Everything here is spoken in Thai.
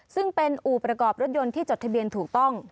ซึ่งเป็นอู่ประกอบรถยนต์ที่จดทะเบียนถูกต้อง